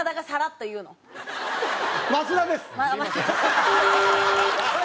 増田です。